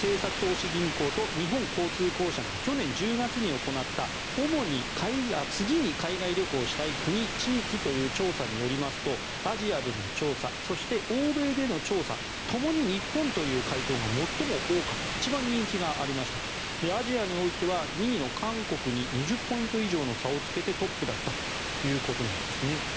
それが日本政策投資銀行と日本交通公社が去年１０月に行った次に海外旅行したい国・地域という調査によりますとアジアでの調査そして欧米での調査ともに日本という最も多かった一番人気がありましたとアジアにおいては２位の韓国に２０ポイント以上の差をつけてトップだったということです。